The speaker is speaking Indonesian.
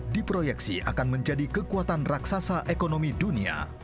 diproyeksi akan menjadi kekuatan raksasa ekonomi dunia